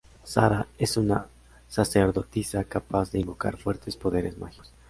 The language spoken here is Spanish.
Sara es una sacerdotisa capaz de invocar fuertes poderes mágicos.